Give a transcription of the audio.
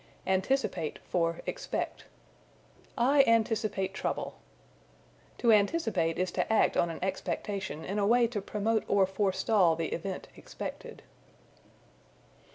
Anticipate for Expect. "I anticipate trouble." To anticipate is to act on an expectation in a way to promote or forestall the event expected.